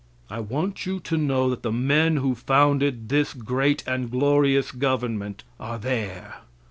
I want you to know that the men who founded this great and glorious government are there.